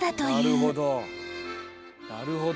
なるほど！